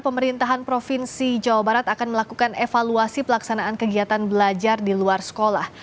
pemerintahan provinsi jawa barat akan melakukan evaluasi pelaksanaan kegiatan belajar di luar sekolah